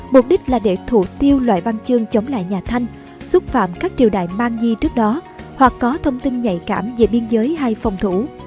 mục đích là để thủ tiêu loại văn chương chống lại nhà thanh xúc phạm các triều đại mang di trước đó hoặc có thông tin nhạy cảm về biên giới hay phòng thủ